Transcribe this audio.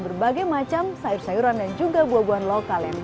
berbagai macam sayur sayuran dan juga buah buahan lokal yang